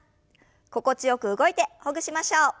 心地よく動いてほぐしましょう。